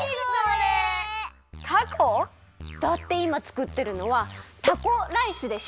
だっていまつくってるのは「タコ」ライスでしょ？